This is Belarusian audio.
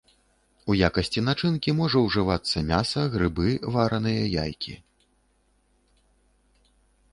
У якасці начынкі можа ўжывацца мяса, грыбы, вараныя яйкі.